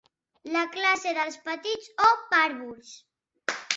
La classe dels petits o pàrvuls.